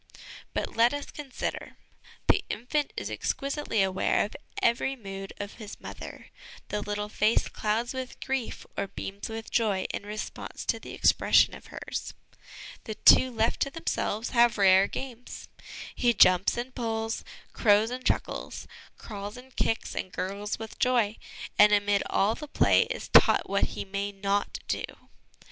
But let us consider; the infant is exquisitely aware of every mood of his mother, the little face clouds with grief or beams with joy in response to the expression of hers. The two left to themselves have rare games. He jumps and pulls, crows and chuckles, crawls and kicks and gurgles with joy ; and, amid all the play, is taught what he may not do.